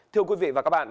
thưa quý vị và các bạn